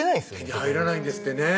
手に入らないんですってね